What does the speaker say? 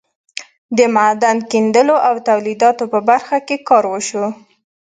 د معدن کیندلو او تولیداتو په برخه کې کار وشو.